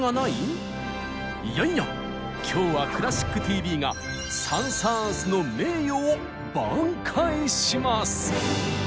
いやいや今日は「クラシックＴＶ」がサン・サーンスの名誉を挽回します。